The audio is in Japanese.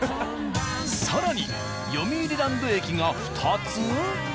更によみうりランド駅が２つ？